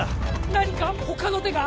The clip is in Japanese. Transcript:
何か他の手が？